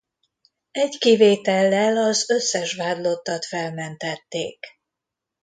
Egy kivétellel az összes vádlottat felmentették.